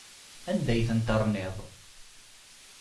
Anda ay ten-terniḍ?